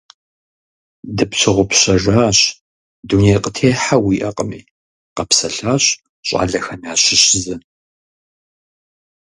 Дыпщыгъупщэжащ, дуней къытехьэ уиӀэкъыми, – къэпсэлъащ щӀалэхэм ящыщ зы.